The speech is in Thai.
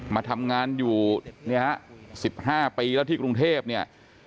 มาทำงานอยู่๑๕ปีแล้วที่กรุงเทพนี่